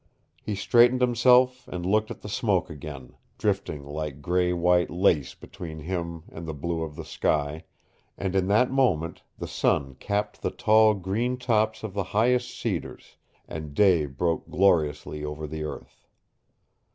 He straightened himself and looked at the smoke again, drifting like gray white lace between him and the blue of the sky, and in that moment the sun capped the tall green tops of the highest cedars, and day broke gloriously over the earth.